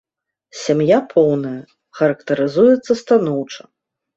Сям'я поўная, характарызуецца станоўча.